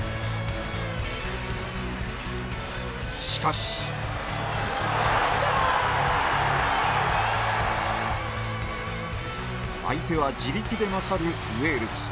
しかし相手は地力で勝るウェールズ。